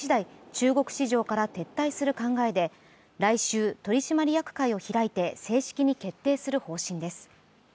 中国市場から撤退する考えで、来週、取締役会を開いて正式に決定する方針です。